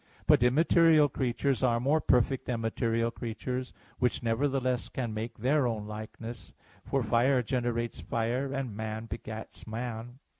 But immaterial creatures are more perfect than material creatures, which nevertheless can make their own likeness, for fire generates fire, and man begets man.